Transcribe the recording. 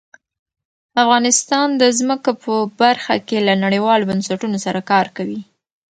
افغانستان د ځمکه په برخه کې له نړیوالو بنسټونو سره کار کوي.